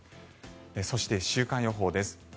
そして、週間予報です。